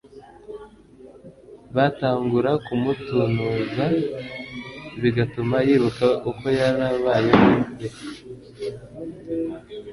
Batangura kumutuntuza bigatuma yibuka uko yarabayeho be